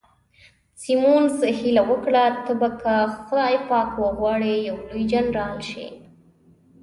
سیمونز هیله وکړه، ته به که خدای پاک وغواړي یو لوی جنرال شې.